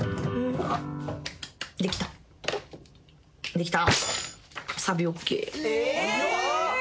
できた。